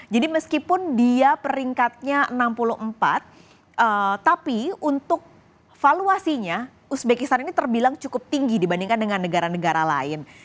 jadi meskipun dia peringkatnya enam puluh empat tapi untuk valuasinya uzbekistan ini terbilang cukup tinggi dibandingkan dengan negara negara lain